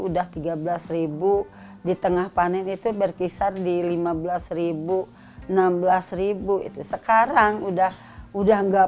udah tiga belas di tengah panen itu berkisar di lima belas enam belas itu sekarang udah udah enggak